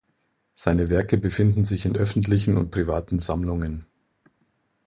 Seine Werke befinden sich in öffentlichen und privaten Sammlungen.